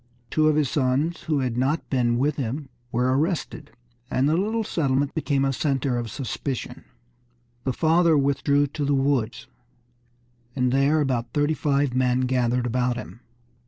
Two of his sons who had not been with him were arrested, and the little settlement became a center of suspicion. The father withdrew to the woods, and there about thirty five men gathered about him.